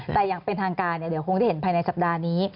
แต่อย่างเป็นทางการเดี๋ยวคงได้เห็นภายในสัปดาห์นี้